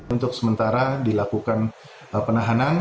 untuk sementara dilakukan penahanan